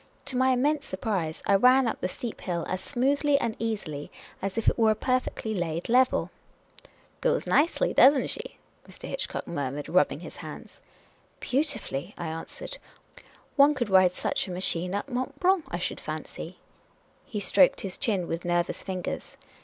To my immense surprise, I ran up the steep hill as smoothly and easily as if it were a perfectly laid level. " Goes nicely, does n't she ?" Mr. Hitchcock murmured, rubbing his hands. "Beautifully," I answered. "One could ride such a machine up Mont Blanc, I should fancy." He stroked his chin with nervous fingers.